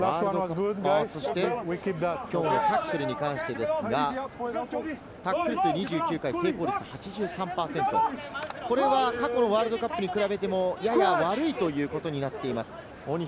きょうのタックルに関してですが、タックル数２９回、成功率８３％、過去のワールドカップに比べても、やや悪いということになっています。